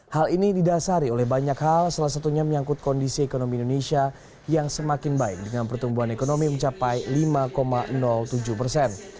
hal ini didasari oleh banyak hal salah satunya menyangkut kondisi ekonomi indonesia yang semakin baik dengan pertumbuhan ekonomi mencapai lima tujuh persen